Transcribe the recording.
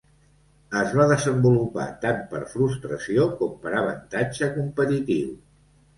Es va desenvolupar tant per frustració com per avantatge competitiu.